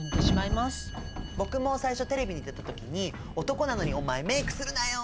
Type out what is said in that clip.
僕も最初テレビに出た時に「男なのにお前メイクするなよ！」